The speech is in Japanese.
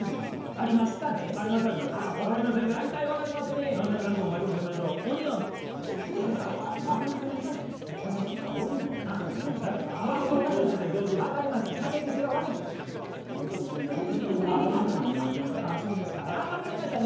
あ分かりましたね。